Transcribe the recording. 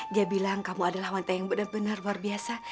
dia bilang kamu adalah wanita yang benar benar luar biasa